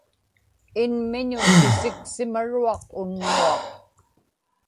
inmiñun pisiksimaruaq unnuaq